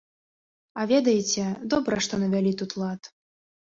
А ведаеце, добра, што навялі тут лад.